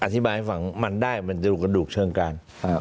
อธิบายให้ฝังมันได้เหมือนกระดูกเชิงกัน